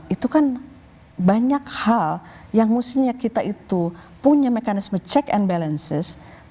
itu kan banyak hal yang mestinya kita itu punya mekanisme check and balances